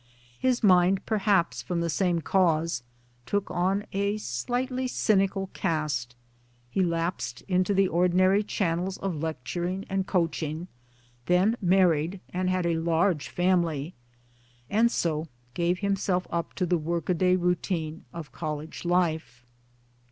His mind, perhaps from the same cause, took on a slightly cynical cast ; he lapsed into the ordinary channels of lec turing and coaching, then married and had a large family, and so gave himself up to the work a day routine of College life.